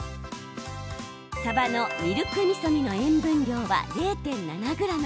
さばのミルクみそ煮の塩分量は０．７ｇ。